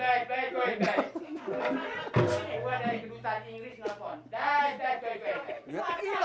buat dari kebutuhan inggris nonton